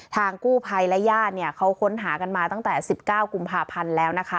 ทางกู้ภัยและญาติเนี่ยเขาค้นหากันมาตั้งแต่๑๙กุมภาพันธ์แล้วนะคะ